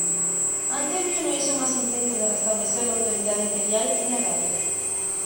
Antemio no hizo más intentos de restablecer la autoridad imperial en la Galia.